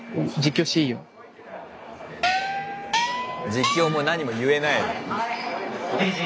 実況もなにも言えない。